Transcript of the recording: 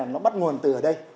nó bắt nguồn từ ở đây